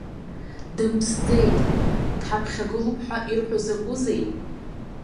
Дымԥсӡеит, дҳаԥхьагылоуп ҳәа ирҳәо закәызеи!